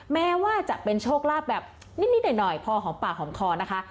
แม้ว่าจะเป็นโชคลาภแบบนิดหน่อยพอหอมปากหอมคอนะคะ